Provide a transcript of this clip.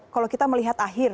kalau kita melihat akhir